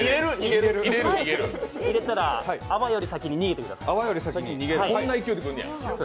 入れたら泡より先に逃げてください。